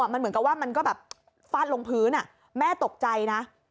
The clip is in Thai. มันเหมือนกับว่ามันก็แบบฟาดลงพื้นแม่ตกใจนะ